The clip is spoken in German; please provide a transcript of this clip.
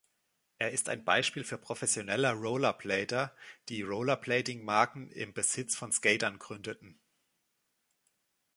Er ist ein Beispiel für professionelle Rollerblader, die Rollerblading-Marken im Besitz von Skatern gründeten.